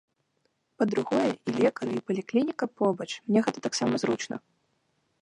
Па-другое, і лекары, і паліклініка побач, мне гэта таксама зручна.